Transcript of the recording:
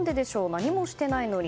何もしてないのに。